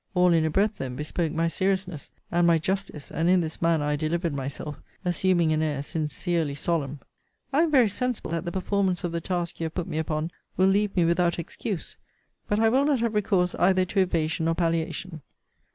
All in a breath then bespoke my seriousness, and my justice: and in this manner I delivered myself, assuming an air sincerely solemn. 'I am very sensible that the performance of the task you have put me upon will leave me without excuse: but I will not have recourse either to evasion or palliation.